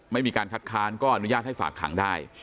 มีการคัดค้านก็อนุญาตให้ฝากขังได้